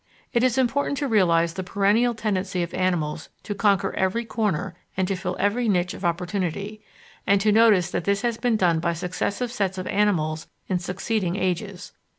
It is important to realise the perennial tendency of animals to conquer every corner and to fill every niche of opportunity, and to notice that this has been done by successive sets of animals in succeeding ages.